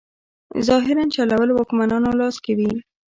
ظاهراً چلول واکمنانو لاس کې وي.